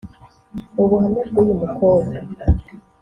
Mu buhamya bw’uyu mukobwa